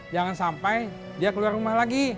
jangan sampai dia keluar rumah lagi